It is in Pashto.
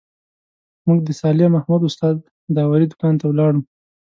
موږ د صالح محمد استاد داوري دوکان ته ولاړو.